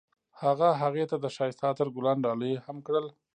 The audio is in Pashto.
هغه هغې ته د ښایسته عطر ګلان ډالۍ هم کړل.